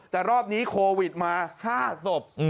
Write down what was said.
แต่รอบนี้โควิดมา๕ศพ